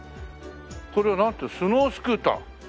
これはなんていうスノースクーター。